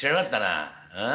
ああ？